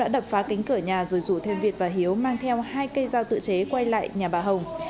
đập phá kính cửa nhà rồi rủ thêm việt và hiếu mang theo hai cây dao tự chế quay lại nhà bà hồng